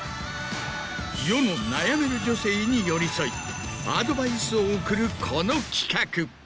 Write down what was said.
世の悩める女性に寄り添いアドバイスを送るこの企画。